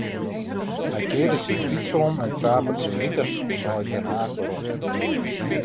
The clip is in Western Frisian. Hy kearde syn fyts om en trape grimmitich nei Den Haach werom.